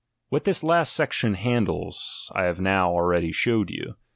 What this last section handles, I have now already showed you.